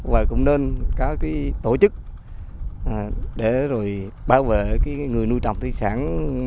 và cũng nên có tổ chức để bảo vệ người nuôi trồng thị sản